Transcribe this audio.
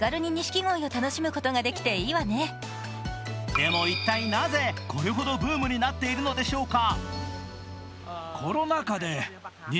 でも一体なぜ、これほどブームになっているのでしょうか。